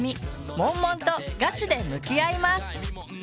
モンモンとガチで向き合います。